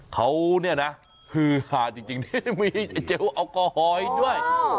เขานี่นะฮือหาจริงมีเจลอัลกอลด้วย